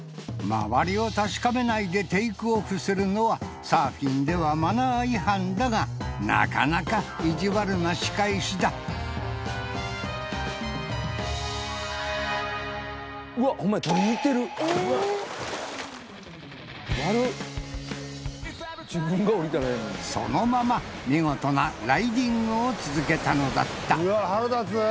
周りを確かめないでテイクオフするのはサーフィンではマナー違反だがなかなか意地悪な仕返しだそのまま見事なライディングを続けたのだったうわ